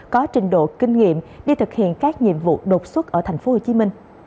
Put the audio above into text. có trình độ kinh nghiệm đi thực hiện các nhiệm vụ đột xuất ở tp hcm